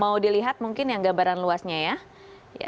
mau dilihat mungkin yang gambaran luasnya ya